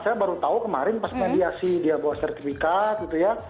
saya baru tahu kemarin pas mediasi dia bawa sertifikat gitu ya